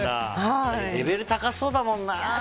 レベル高そうだもんな。